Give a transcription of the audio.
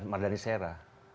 pak yusri sera